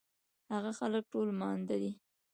هغه خلک ټول ماندۀ دي